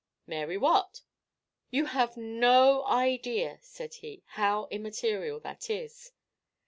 "Mary what?" "You have no idea," said he, "how immaterial that is."